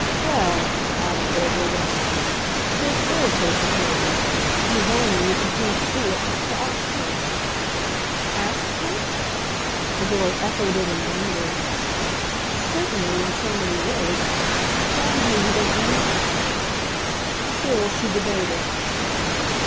"Well," Adam Verver rang out, "this IS her security. You've only, if you can't see it, to ask her." "'Ask' her?" the girl echoed it in wonder. "Certainly in so many words. Telling her you don't believe me." Still she debated.